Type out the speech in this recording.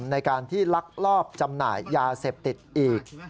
ในการที่ลักลอบจำหน่ายยาเสพติดอีก